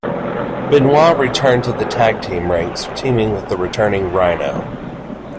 Benoit returned to the tag team ranks, teaming with the returning Rhyno.